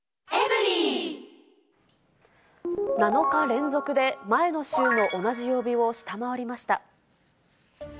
７日連続で、前の週の同じ曜日を下回りました。